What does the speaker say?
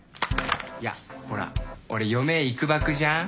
いやほら俺余命いくばくじゃん？